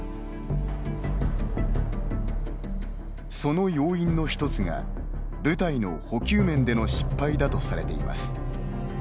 その要因の１つが、部隊の補給面での失敗だとされています。